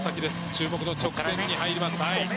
注目の直線に入ります。